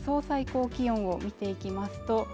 最高気温を見ていきますと